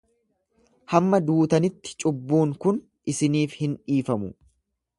Hamma duutanitti cubbuun kun isiniif hin dhiifamu.